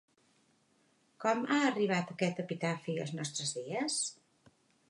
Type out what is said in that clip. Com ha arribat aquest epitafi als nostres dies?